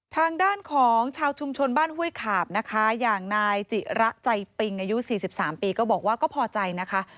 ทางด้านของชาวชุมชนบ้านห้วยขาบนะคะอย่างนายจิระใจปิงอายุ๔๓ปีก็บอกว่าก็พอใจนะคะ